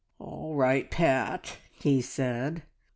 "All right, Pat," he said.